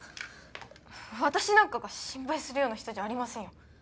私なんかが心配するような人じゃありませんよ